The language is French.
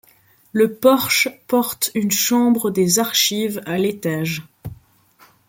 Le porche porte une chambre des archives à l'étage.